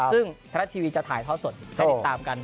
ซึ่งทะละทีวีจะถ่ายท้อสดแค่ติดตามกัน